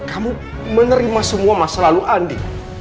kamu menerima semua masa lalu andi